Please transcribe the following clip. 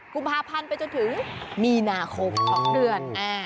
กุมภาพันธ์ไปจนถึงมีนาคม๒เดือน